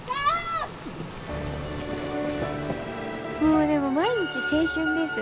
もうでも毎日青春です。